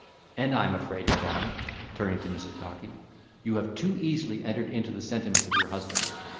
And I am afraid, madam (turning to Mrs. Gawky) you have too easily entered into the sentiments of your husband.